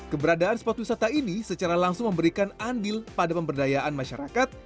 keberadaan spot wisata ini secara langsung memberikan andil pada pemberdayaan masyarakat